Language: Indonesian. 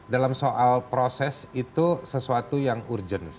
dalam soal proses itu sesuatu yang urgent